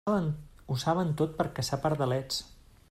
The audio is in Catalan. Ho saben tot per a caçar pardalets!